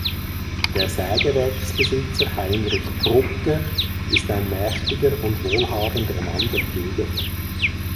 Der Sägewerksbesitzer Heinrich Prugger ist ein mächtiger und wohlhabender Mann der Gegend.